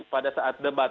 pada saat debat